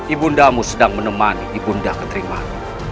ibu bunda sedang menemani ibu bunda ketering manik